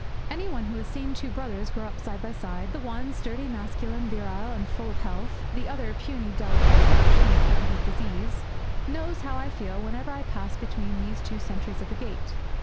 Any one who has seen two brothers grow up side by side the one sturdy, masculine, virile, and full of health; the other, puny, delicate, fragile, and threatened with disease knows how I feel whenever I pass between these two sentries at the gate.